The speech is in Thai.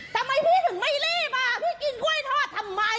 ทำไมพี่ถึงไม่รีบอ่ะพี่กินกล้วยทอดทำไม